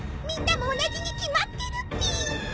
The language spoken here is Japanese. みんなも同じに決まってるっぴ。